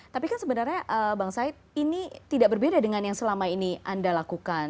tapi kan sebenarnya bang said ini tidak berbeda dengan yang selama ini anda lakukan